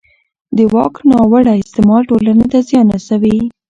د واک ناوړه استعمال ټولنې ته زیان رسوي